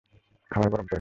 খাবার গরম করে।